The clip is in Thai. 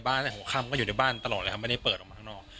บ้านเนี้ยหัวข้ามก็อยู่ในบ้านตลอดเลยครับไม่ได้เปิดออกมาข้างนอก